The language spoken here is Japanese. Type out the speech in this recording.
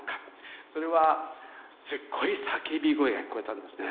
それはすっごい叫び声が聞こえたんですね